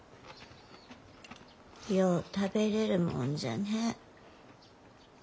よう食べれるもんじゃね。